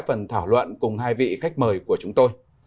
phần thảo luận cùng hai vị khách mời của chúng tôi